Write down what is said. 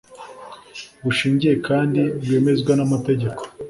bushingiye kandi bwemezwa n’amategeko,